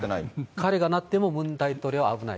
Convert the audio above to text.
彼がなってもムン大統領は危ない。